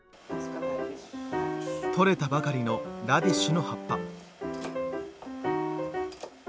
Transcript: とれたばかりのラディッシュの葉っぱ。